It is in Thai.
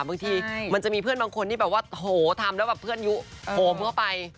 บางทีมันจะมีเพื่อนบางคนที่ทำแล้วเผื่อนอยู่โฟมเข้าไป